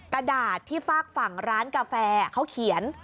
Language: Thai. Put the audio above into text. กระดาษที่ฝากฝั่งร้านกาแฟเขาเขียน